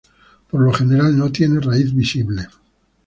Por lo general, no tiene raíz visible.